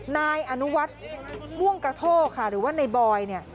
นายอนุวัตรม่วงกะโท่ค่ะหรือว่าในบอย